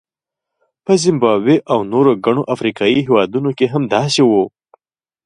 په زیمبابوې او نورو ګڼو افریقایي هېوادونو کې هم داسې وو.